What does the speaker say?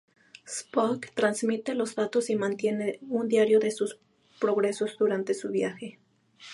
Spock transmite los datos y mantiene un diario de sus progresos durante su viaje.